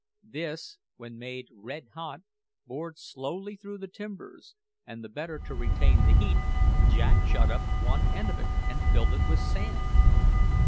This, when made red hot, bored slowly through the timbers; and the better to retain the heat, Jack shut up one end of it and filled it with sand.